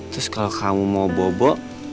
terus kalau kamu mau bobo